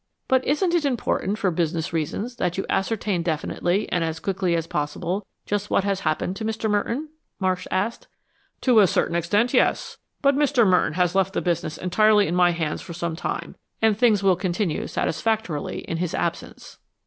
"But isn't it important, for business reasons, that you ascertain definitely, and as quickly as possible, just what has happened to Mr. Merton?" Marsh asked. "To a certain extent, yes. But Mr. Merton has left the business entirely in my hands for some time, and things will continue satisfactorily in his absence."